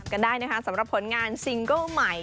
กันได้นะคะสำหรับผลงานซิงเกิ้ลใหม่